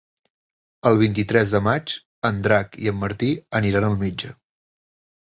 El vint-i-tres de maig en Drac i en Martí aniran al metge.